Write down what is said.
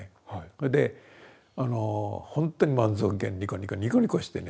それでほんとに満足げにニコニコニコニコしてね。